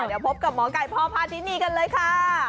เดี๋ยวพบกับหมอไก่พ่อพาทินีกันเลยค่ะ